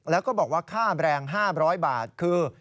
แล้วก็บอกว่าค่าแบรนด์๕๐๐บาทคือ